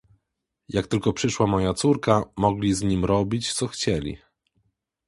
Jak tylko przyszła moja córka, mogli z nim robić, co chcieli